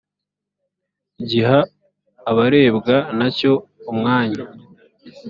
giha abarebwa na cyo umwanya